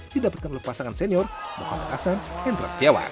didapatkan oleh pasangan senior muhammad ahsan hendra setiawan